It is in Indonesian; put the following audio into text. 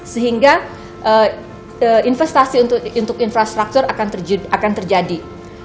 sehingga investasi untuk infrastruktur akan terjadi